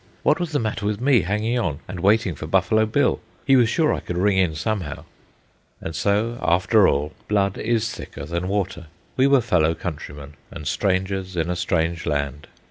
What was the matter with me hanging on and waiting for Buffalo Bill? He was sure I could ring in somehow. And so, after all, blood is thicker than water. We were fellow countrymen and strangers in a strange land.